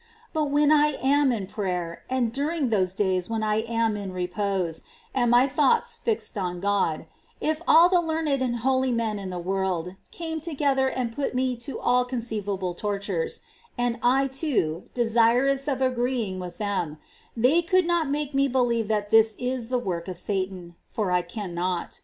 But when I am in prayer, and during those days when I am in repose, and my thoughts fixed on God, if all the learned and holy men in the world came together and put me to all conceivable tortures, and I, too, desirous of agreeing with them, they could not make me believe that this is the work of Satan, for I cannot.